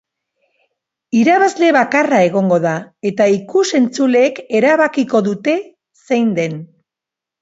Irabazle bakarra egongo da, eta ikus-entzuleek erabakiko dute zein den.